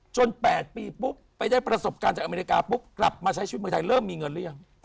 จน๘ปีปุ๊บไปในประสบการณ์หรือเปลืองีเงินแล้ว